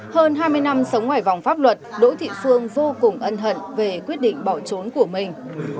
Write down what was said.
hơn hai mươi năm sống ngoài vòng pháp luật đỗ thị phương vô cùng ân hận về quyết định bỏ trốn của mình